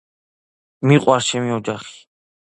მიყვარს ჩემი ოჯახიი